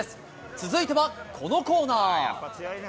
続いてはこのコーナー。